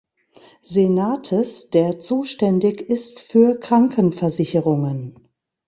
Senates, der zuständig ist für Krankenversicherungen.